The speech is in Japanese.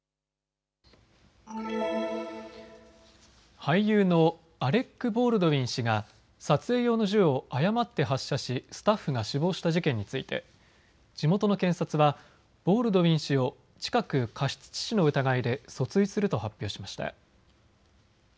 俳優のアレック・ボールドウィン氏が撮影用の銃を誤って発射しスタッフが死亡した事件について地元の検察はボールドウィン氏を近く、過失致死の疑いで訴追すると発表しました。